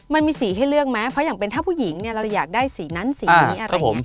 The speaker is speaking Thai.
มันมีสีให้เลือกไหมเพราะอย่างเป็นถ้าผู้หญิงเราจะอยากได้สีนั้นสีนี้อะไร